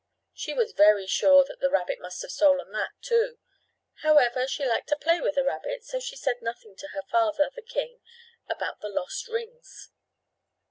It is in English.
She was very sure that the rabbit must have stolen that, too. However, she liked to play with the rabbit, so she said nothing to her father, the king, about the lost rings.